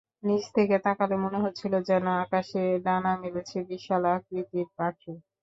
নিচ থেকে তাকালে মনে হচ্ছিল যেন আকাশে ডানা মেলেছে বিশাল আকৃতির পাখি।